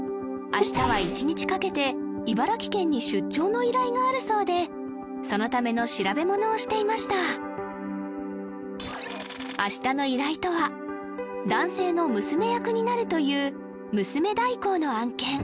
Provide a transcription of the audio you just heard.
明日は１日かけて茨城県に出張の依頼があるそうでそのための調べ物をしていました明日の依頼とは男性の娘役になるという娘代行の案件